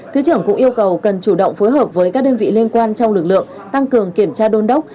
thứ trưởng cũng yêu cầu cần chủ động phối hợp với các đơn vị liên quan trong lực lượng tăng cường kiểm tra đôn đốc